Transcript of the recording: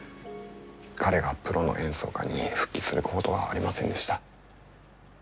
彼がプロの演奏家に復帰することはありませんでした。